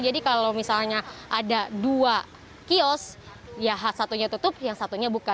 jadi kalau misalnya ada dua kiosk ya satunya tutup yang satunya buka